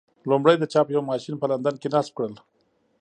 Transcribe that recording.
لومړی د چاپ یو ماشین په لندن کې نصب کړل.